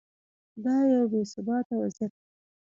دا یو بې ثباته وضعیت و.